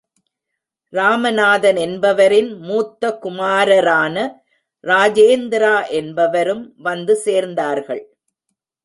ராமநாதன் என்பவரின் மூத்த குமாரரான, ராஜேந்திரா என்பவரும் வந்து சேர்ந்தார்கள்.